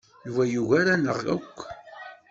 Yuba yugar-aneɣ akk.